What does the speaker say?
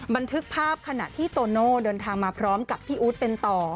บันทึกภาพขณะที่โตโน่เดินทางมาพร้อมกับพี่อู๊ดเป็นต่อ